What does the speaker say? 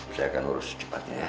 saya akan urus cepatnya ya